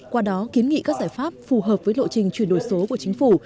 qua đó kiến nghị các giải pháp phù hợp với lộ trình chuyển đổi số của chính phủ